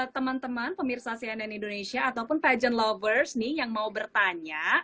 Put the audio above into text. teman teman pemirsa cnn indonesia ataupun pagent lovers nih yang mau bertanya